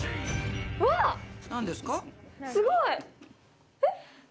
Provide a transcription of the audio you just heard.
すごい！えっ？